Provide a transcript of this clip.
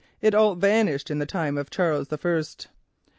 It all vanished in the time of Charles the First."